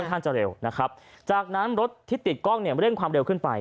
ท่านจะเร็วนะครับจากนั้นรถที่ติดกล้องเนี่ยเร่งความเร็วขึ้นไป